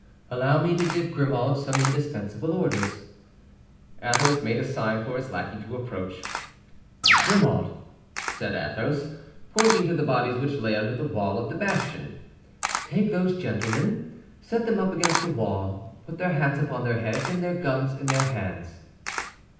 "Allow me to give Grimaud some indispensable orders." Athos made a sign for his lackey to approach. "Grimaud," said Athos, pointing to the bodies which lay under the wall of the bastion, "take those gentlemen, set them up against the wall, put their hats upon their heads, and their guns in their hands."